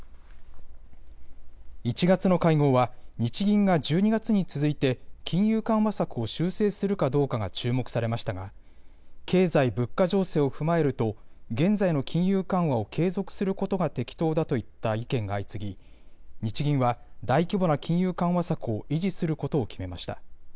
１月の会合は日銀が１２月に続いて金融緩和策を修正するかどうかが注目されましたが経済・物価情勢を踏まえると現在の金融緩和を継続することが適当だといった意見が相次ぎ日銀は大規模な金融緩和策を維持することを決めました。